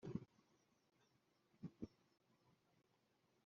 Ukagera kuri mu kwibuka ku nshuro ya bikaba byaragabanutseho